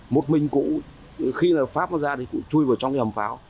một mình cũ khi là pháp nó ra thì cũng chui vào trong cái hầm pháo